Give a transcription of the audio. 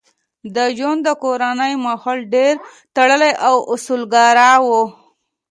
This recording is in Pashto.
د جون د کورنۍ ماحول ډېر تړلی او اصولګرا و